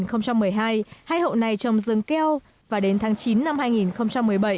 năm hai nghìn một mươi hai hai hộ này trồng rừng keo và đến tháng chín năm hai nghìn một mươi bảy